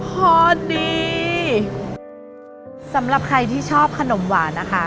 พอดีสำหรับใครที่ชอบขนมหวานนะคะ